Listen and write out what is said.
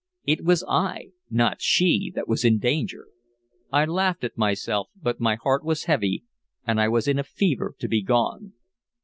It was I, not she, that was in danger. I laughed at myself, but my heart was heavy, and I was in a fever to be gone.